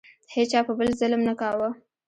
هیچا په بل ظلم نه کاوه.